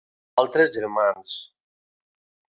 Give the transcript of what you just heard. Altres germans: